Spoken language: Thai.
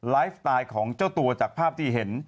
ไลฟ์สไตล์ของเจ้าตัวจากภาพที่เห็น